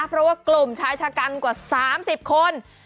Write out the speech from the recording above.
เพราะว่ากลุ่มชายชะกันกว่า๓๐คน